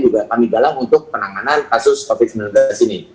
juga kami galang untuk penanganan kasus covid sembilan belas ini